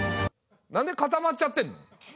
なんで固まっちゃってんの？